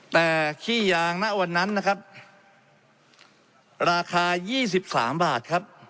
แต่ขี้ยางณวันนั้นนะครับราคา๒๓บาทครับ